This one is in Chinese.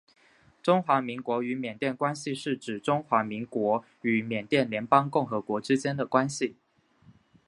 中华民国与缅甸关系是指中华民国与缅甸联邦共和国之间的关系。